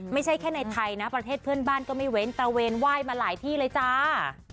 ไม่ใช่แค่ในไทยนะประเทศเพื่อนบ้านก็ไม่เว้นตะเวนไหว้มาหลายที่เลยจ้า